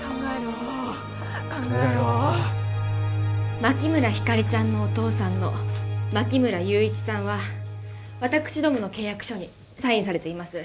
考えろ牧村ひかりちゃんのお父さんの牧村悠一さんは私どもの契約書にサインされています